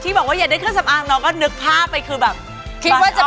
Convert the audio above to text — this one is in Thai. ที่บอกว่าอยากได้เครื่องสำอางน้องก็นึกภาพไปคือแบบ